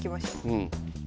うん？